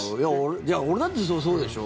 俺だってそうでしょ？